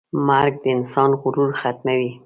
مرګ د انسان غرور ختموي.